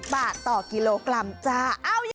บาทต่อกิโลกรัมจ้า